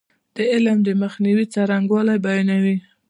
دا علم د مخنیوي څرنګوالی بیانوي.